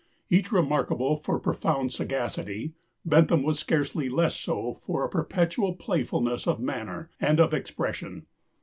Each remarkable for profound sagacity, Bentham was scarcely less so for a perpetual playfulness of manner and of expression.